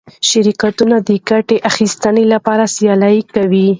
شرکتونه د ګټې اخیستنې لپاره سیالي کوي.